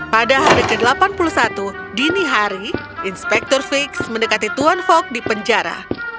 pada hari ke delapan puluh satu dini hari inspektur fix mendekati tuan fok di penjara